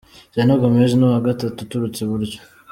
Selena Gomez ni uwa gatatu uturutse iburyo.